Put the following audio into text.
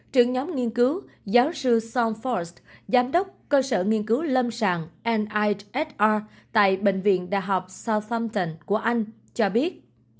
trưởng nhóm nghiên cứu giáo sư sean forrest giám đốc cơ sở nghiên cứu lâm sàng nihr tại bệnh viện đại học southampton của anh cho biết